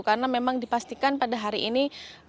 karena memang dipastikan pada hari ini